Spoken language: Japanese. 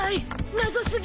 謎すぎ！